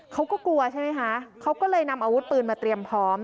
เขาก็กลัวใช่ไหมคะเขาก็เลยนำอาวุธปืนมาเตรียมพร้อม